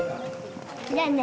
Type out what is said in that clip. じゃあね。